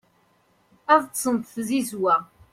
ad ṭṭsen d tzizwa